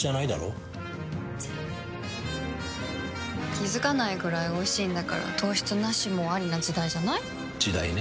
気付かないくらいおいしいんだから糖質ナシもアリな時代じゃない？時代ね。